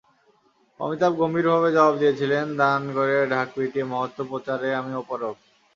অমিতাভ গম্ভীরভাবে জবাব দিয়েছিলেন, দান করে ঢাক পিটিয়ে মহত্ত্ব প্রচারে আমি অপারগ।